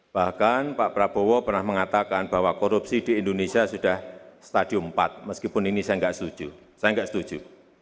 bahkan pak prabowo pernah mengatakan bahwa korupsi di indonesia sudah stadium empat meskipun ini saya enggak setuju